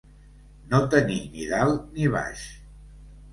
No tenir ni dalt ni baix.